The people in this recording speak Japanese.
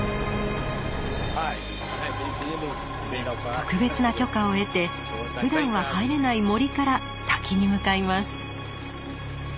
特別な許可を得てふだんは入れない森から滝に向かいます。